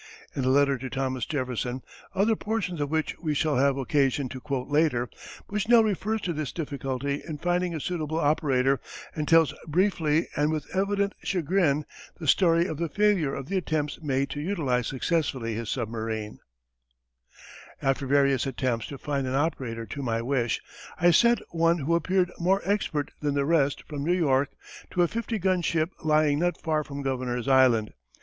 In a letter to Thomas Jefferson, other portions of which we shall have occasion to quote later, Bushnell refers to this difficulty in finding a suitable operator and tells briefly and with evident chagrin the story of the failure of the attempts made to utilize successfully his submarine: [Illustration: Photo by U. & U. A Bomb Dropping Taube.] After various attempts to find an operator to my wish, I sent one who appeared more expert than the rest from New York to a 50 gun ship lying not far from Governor's Island.